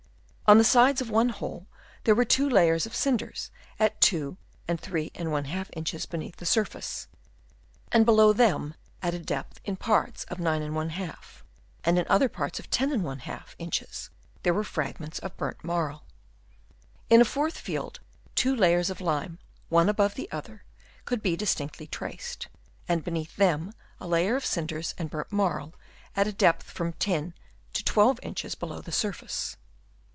On the sides of one hole there were two layers of cinders, at 2 and 3^ inches beneath the sur face ; and below them at a depth in parts of 9^, and in other parts of 10^ inches there were fragments of burnt marl. In a fourth field two layers of lime, one above the other, could be distinctly traced, and beneath them a layer of cinders and burnt marl at a depth of from 10 to 12 inches below the surface.